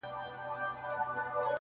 عزرائیل مي دی ملګری لکه سیوری -